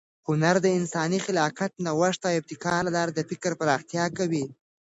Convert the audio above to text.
هنر د انساني خلاقیت، نوښت او ابتکار له لارې د فکر پراختیا کوي.